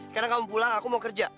karena kamu pulang aku mau kerja